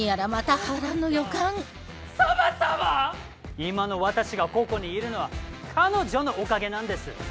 今の私がここにいるのは彼女のおかげなんです！